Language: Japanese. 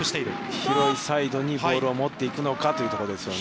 広いサイドにボールを持っていくのかというところですね。